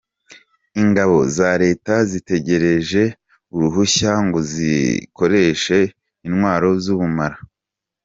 Ingabo za Leta zitegereje uruhushya ngo zikoreshe intwaro z’ubumara